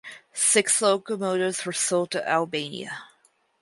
Six locomotives were sold to Albania.